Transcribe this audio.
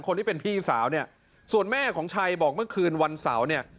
คนที่เป็นพี่สาวเนี่ยส่วนแม่ของชัยบอกเมื่อคืนวันเสาร์เนี่ย